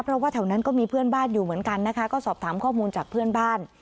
เพราะว่าแถวนั้นก็มีเพื่อนบ้านอยู่เหมือนกันนะคะก็สอบถามข้อมูลจากเพื่อนบ้าน